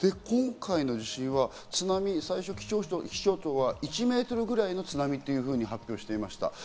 今回の地震は津波、気象庁は最初、１メートルぐらいの津波と発表していました。